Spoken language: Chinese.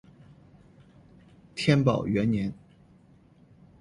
天宝元年。